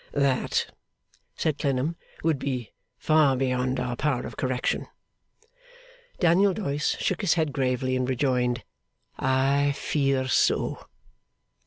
'That,' said Clennam, 'would be far beyond our power of correction.' Daniel Doyce shook his head gravely, and rejoined, 'I fear so.